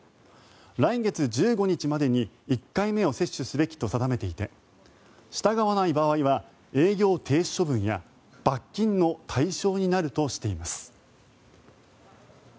来月１５日までに１回目を接種すべきと定めていて従わない場合は営業停止処分や罰金の対象となるとしています。